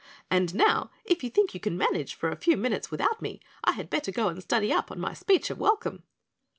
"And now, if you think you can manage for a few minutes without me, I had better go and study up on my speech of welcome."